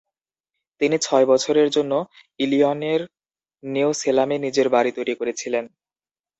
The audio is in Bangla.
তিনি ছয় বছরের জন্য ইলিনয়ের নিউ সেলামে নিজের বাড়ি তৈরি করেছিলেন।